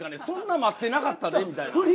そんな待ってなかったでみたいな。